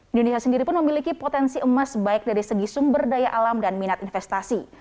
indonesia sendiri pun memiliki potensi emas baik dari segi sumber daya alam dan minat investasi